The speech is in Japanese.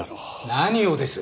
何をです？